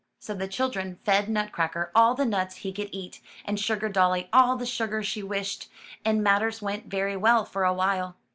So the children fed Nutcracker all the nuts he could eat, and Sugar dolly all the sugar she wished, and matters went very well for a while.